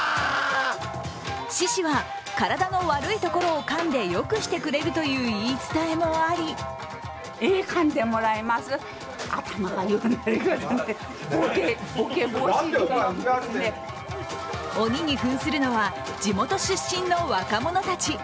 獅子は体の悪いところを噛んでよくしてくれるとの言い伝えもあり鬼にふんするのは地元出身の若者たち。